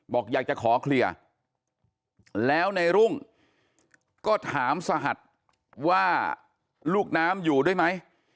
บอกอยากจะขอเคลียร์แล้วในรุ่งก็ถามสหัสว่าลูกน้ำอยู่ด้วยไหม